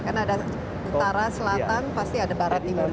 karena ada utara selatan pasti ada barat timur juga